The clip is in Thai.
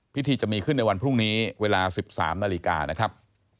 พิธีจะมีขึ้นในวันพรุ่งนี้เวลา๑๓นาฬิกานะครับ